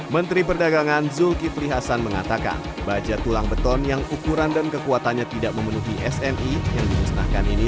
menteri perdagangan zulkifli hasan mengatakan baja tulang beton yang ukuran dan kekuatannya tidak memenuhi sni yang dimusnahkan ini